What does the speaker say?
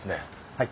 はい。